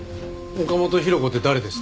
岡本博子って誰ですか？